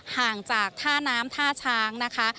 ห่างจากท่าน้ำท่าช้างนะคะ